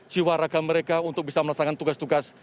jiwa raga mereka untuk bisa melaksanakan tugas tugas